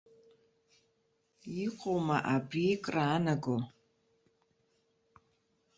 Иҟоума абри краанаго?